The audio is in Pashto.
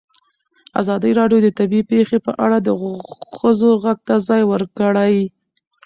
ازادي راډیو د طبیعي پېښې په اړه د ښځو غږ ته ځای ورکړی.